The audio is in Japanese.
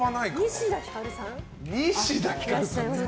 西田ひかるさん。